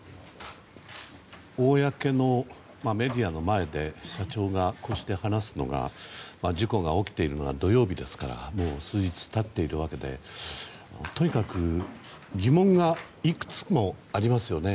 公のメディアの前で社長がこうして話すのが事故が起きているのが土曜日ですからもう数日経っているわけでとにかく疑問がいくつもありますよね。